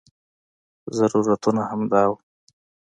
ضرورتونه همدا وو.